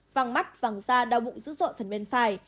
vẳng mắt vẳng da đau bụng dữ dội phần bên phải